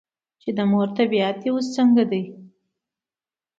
چې " د مور طبیعیت دې اوس څنګه دے ؟" ـ